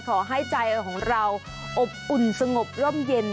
ขอให้ใจของเราอบอุ่นสงบร่มเย็น